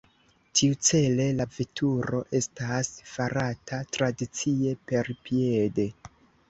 Tiucele la veturo estas farata tradicie perpiede.